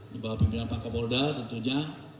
bapak pimpinan pakapolda tentunya